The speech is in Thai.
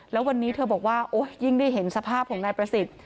แล้ววันนี้เธอบอกว่ายิ่งได้เห็นสภาพของนายประสิทธิ์